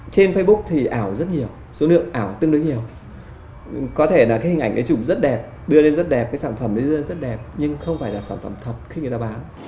trên facebook thì ảo rất nhiều số lượng ảo tương đối nhiều có thể là cái hình ảnh ấy chụp rất đẹp đưa lên rất đẹp cái sản phẩm đấy rất đẹp nhưng không phải là sản phẩm thật khi người ta bán